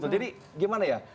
jadi gimana ya